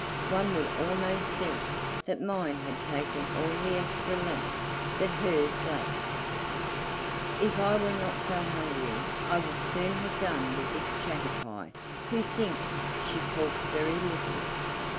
"One would almost think that mine had taken all the extra length that hers lacks! If I were not so hungry I would soon have done with this chatterpie who thinks she talks very little!